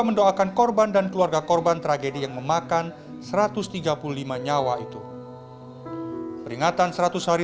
mendoakan korban dan keluarga korban tragedi yang memakan satu ratus tiga puluh lima nyawa itu peringatan seratus hari